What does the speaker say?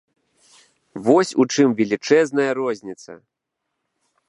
Вось у чым велічэзная розніца.